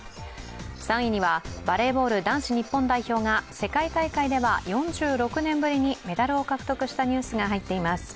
３位にはバレーボール男子日本代表が世界大会では４６年ぶりにメダルを獲得したニュースが入っています。